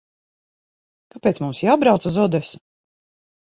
Kāpēc mums jābrauc uz Odesu?